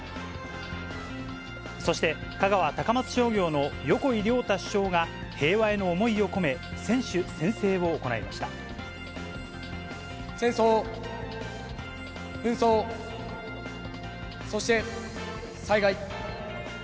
そして、香川・高松商業の横井亮太主将が、平和への思いを込め、選手宣誓を戦争、紛争、そして災害。